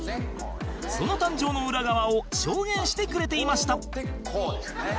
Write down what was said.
その誕生の裏側を証言してくれていました